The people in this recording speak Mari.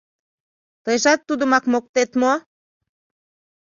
Тыйжат тудымак моктет мо?